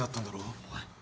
おい。